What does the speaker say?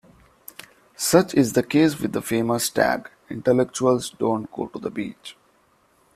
Such is the case with the famous tag: Intellectuals don't go to the beach.